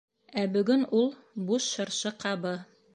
Ә бөгөн ул... буш шырпы ҡабы.